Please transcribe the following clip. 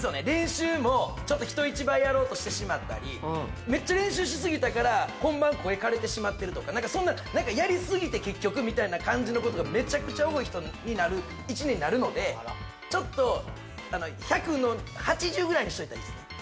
練習もちょっと人一倍やろうとしてしまったりめっちゃ練習しすぎたから本番声枯れてしまってるとかそんなやりすぎて結局みたいな感じのことがめちゃくちゃ多い人になる１年になるのでちょっと１００の８０ぐらいにしておいたらいいですね